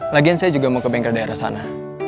lagian saya juga mau ke bengkel daerah sana